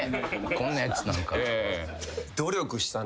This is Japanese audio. こんなやつ何か。